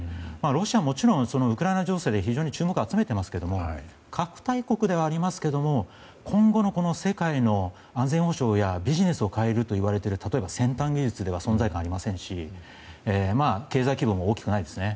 ロシアはもちろんウクライナ情勢で非常に注目を集めていますが核大国ではありますが今後の世界の安全保障やビジネスを変えると言われている例えば先端技術では存在感がありませんし経済規模も大きくないですね。